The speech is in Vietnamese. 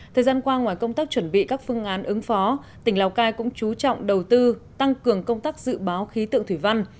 thời gian qua ngoài công tác chuẩn bị các phương án ứng phó tỉnh lào cai cũng chú trọng đầu tư tăng cường công tác dự báo khí tượng thủy văn